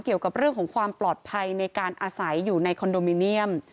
เกี่ยวกับเรื่องของความปลอดภัยในการอาศัยอยู่ในคอนโดมิเนียม